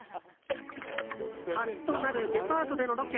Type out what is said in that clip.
初となるデパートでのロケ。